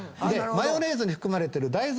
マヨネーズに含まれてる大豆油。